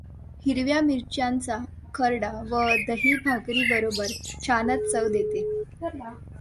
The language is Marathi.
हिरव्या मिरच्यांचा खर्डा व दही भाकरीबरोबर छानच चव देते.